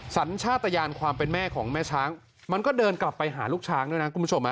สัชาตยาความเป็นแม่แม่ช้างมันก็เดินกลับไปหาลูกช้างด้วยนะ